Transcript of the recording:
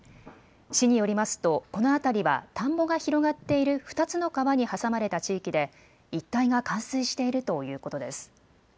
市によりますとこの辺りは田んぼが広がっている２つの川に挟まれた地域で一帯が冠水しているということです。